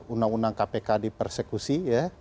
undang undang kpk dipersekusi